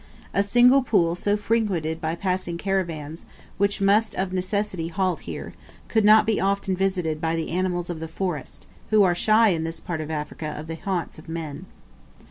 A single pool so often frequented by passing caravans, which must of necessity halt here, could not be often visited by the animals of the forest, who are shy in this part of Africa of the haunts of man.